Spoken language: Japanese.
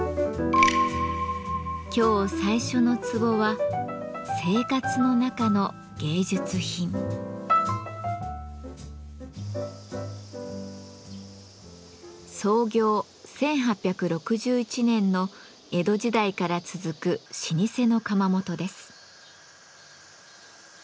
今日最初のツボは創業１８６１年の江戸時代から続く老舗の窯元です。